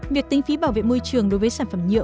việc tính phí bảo vệ môi trường đối với sản phẩm nhựa